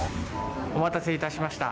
お待たせいたしました。